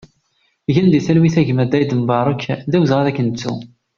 Gen di talwit a gma Daïd Mbarek, d awezɣi ad k-nettu!